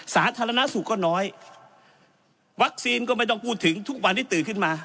สาธารณสุขก็น้อยวัคซีนก็ไม่ต้องพูดถึงทุกวันที่ตื่นขึ้นมา